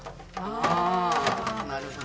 ああなるほど。